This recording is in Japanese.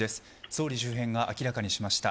総理周辺が明らかにしました。